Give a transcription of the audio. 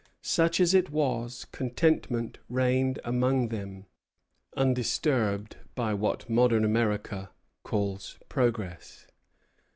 Such as it was, contentment reigned among them, undisturbed by what modern America calls progress.